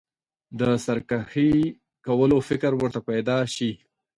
د سرکښي کولو فکر ورته پیدا شي.